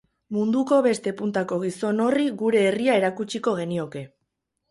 Munduko beste puntako gizon horri gure herria erakutsiko genioke.